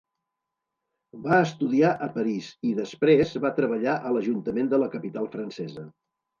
Va estudiar a París i, després, va treballar a l'Ajuntament de la capital francesa.